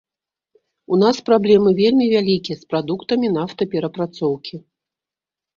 У нас праблемы вельмі вялікія з прадуктамі нафтаперапрацоўкі.